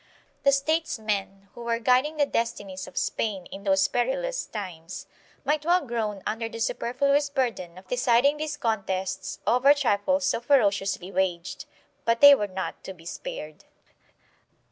1 The statesmen who were guiding the destinies of Spain in those perilous times might well groan under the superfluous burden of deciding these contests over trifles so ferociously waged, but they were not to be spared.